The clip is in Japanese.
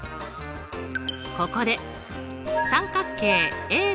ここで三角形Ａ